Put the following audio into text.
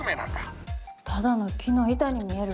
ただの木の板に見えるけど。